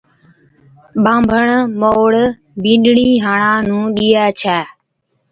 ٻانڀڻ مَئوڙ بِينڏڙِي ھاڙان نُون ڏيئي ڇَي